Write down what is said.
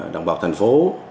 đồng bào thành phố